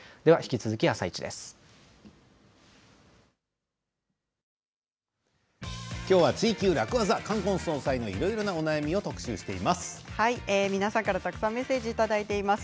きょうは「ツイＱ楽ワザ」冠婚葬祭のいろいろなお悩みを特集しています。